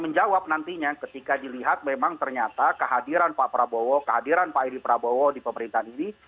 menjawab nantinya ketika dilihat memang ternyata kehadiran pak prabowo kehadiran pak edi prabowo di pemerintahan ini